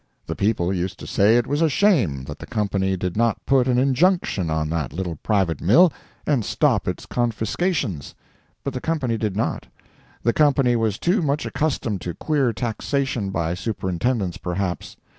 The people used to say it was a shame that the company did not put an injunction on that little private mill and stop its confiscations. But the company did not. The company was too much accustomed to queer taxation by superintendents, perhaps.